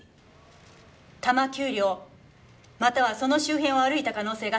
多摩丘陵またはその周辺を歩いた可能性が高いと思われます。